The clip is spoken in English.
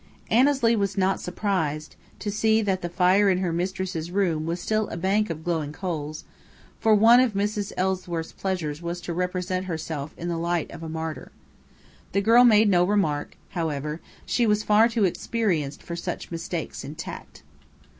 Annesley was not surprised to see that the fire in her mistress's room was still a bank of glowing coals, for one of Mrs. Ellsworth's pleasures was to represent herself in the light of a martyr. The girl made no remark, however: she was far too experienced for such mistakes in tact.